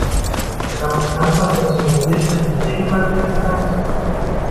Glaubst du ernsthaft, dass du durch Biertrinken den Regenwald retten kannst?